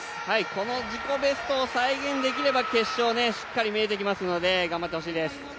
この自己ベストを再現できれば決勝がしっかり見えてきますので頑張ってほしいです。